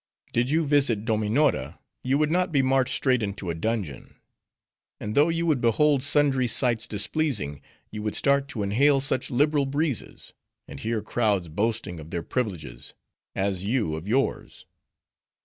Did you visit Dominora, you would not be marched straight into a dungeon. And though you would behold sundry sights displeasing, you would start to inhale such liberal breezes; and hear crowds boasting of their privileges; as you, of yours.